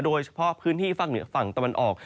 โดยเฉพาะพื้นที่ภาคเหนือฝั่งตะวันออก